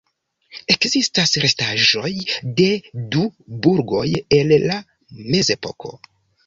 Ekzistas restaĵoj de du burgoj el la mezepoko.